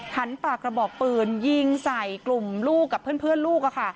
ถันปากระบอกปืนยิงใส่กลุ่มลูกกับเพื่อนเพื่อนลูกอะค่ะ